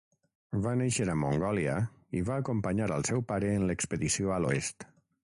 Va néixer a Mongòlia i va acompanyar al seu pare en l'expedició a l'oest.